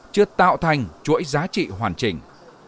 chưa tạo thành chuỗi giá trị hoàn chỉnh